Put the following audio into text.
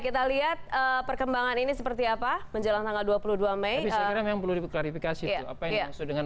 kita lihat perkembangan ini seperti apa menjelang tanggal dua puluh dua mei yang perlu diklarifikasi dengan